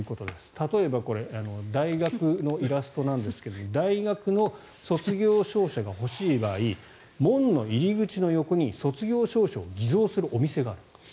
例えば、大学のイラストですが大学の卒業証書が欲しい場合門の入り口の横に卒業証書を偽造するお店がある。